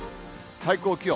最高気温。